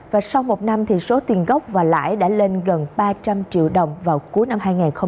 và sau một năm số tiền gốc và lãi đã lên gần ba trăm linh triệu đồng vào cuối năm hai nghìn hai mươi ba